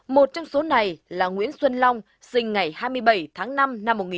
một trong số này là nguyễn xuân long sinh ngày hai mươi bảy tháng năm năm một nghìn chín trăm bảy mươi